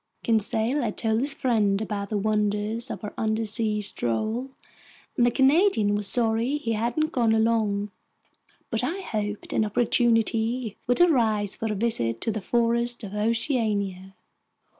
Conseil had told his friend about the wonders of our undersea stroll, and the Canadian was sorry he hadn't gone along. But I hoped an opportunity would arise for a visit to the forests of Oceania.